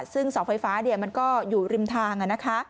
ซึ่งเสาไฟฟ้ามันก็อยู่ริมทางนะคะ